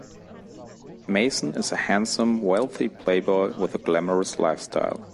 Mason is a handsome, wealthy playboy with a glamorous life style.